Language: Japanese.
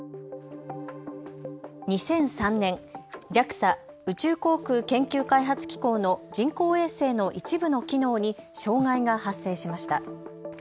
２００３年、ＪＡＸＡ・宇宙航空研究開発機構の人工衛星の一部の機能に障害が発生しました。